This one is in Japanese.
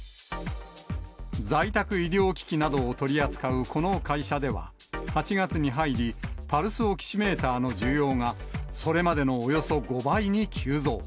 在宅医療機器などを取り扱うこの会社では、８月に入り、パルスオキシメーターの需要が、それまでのおよそ５倍に急増。